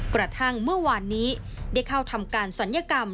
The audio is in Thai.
กระทั่งเมื่อวานนี้ได้เข้าทำการศัลยกรรม